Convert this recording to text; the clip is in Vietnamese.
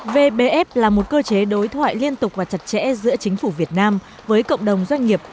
vbf là một cơ chế đối thoại liên tục và chặt chẽ giữa chính phủ việt nam với cộng đồng doanh nghiệp